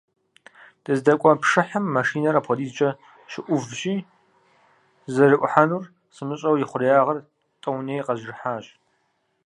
Дыздэкӏуэ пшыхьым машинэр апхуэдизкӏэ щыӏувщи, сызэрыӏухьэнур сымыщӏэу, и хъуреягъыр тӏэуней къэзжыхьащ.